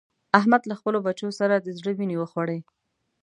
احمد له خپلو بچو سره د زړه وينې وخوړې.